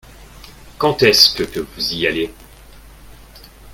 Qaund est-ce que vous y allez ?